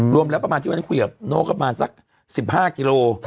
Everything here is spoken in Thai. รวมแล้วประมาณที่เว้นเขวียบโน่ก็ประมาณสัก๑๕กิโล